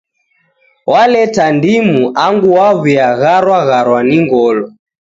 Walepa ndimu angu waw'uya gharwa gharwa ni ngolo.